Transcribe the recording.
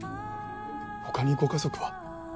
他にご家族は。